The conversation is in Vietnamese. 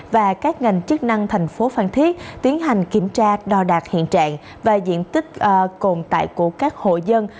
và các ngành chức năng thành phố phan thiết tiến hành kiểm tra đo đạc hiện trạng và diện tích tồn tại của các hộ dân